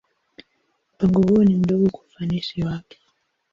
Mpango huo ni mdogo kwa ufanisi wake.